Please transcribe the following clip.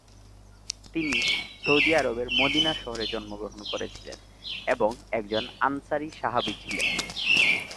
তিনি সৌদি আরবের মদিনা শহরে জন্মগ্রহণ করেছিলেন এবং একজন আনসারী সাহাবা ছিলেন।